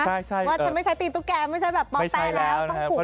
ว่าจะไม่ใช่ตีนตุ๊กแกไม่ใช่แบบป๊อบแต้นแล้วต้องผูกเชือก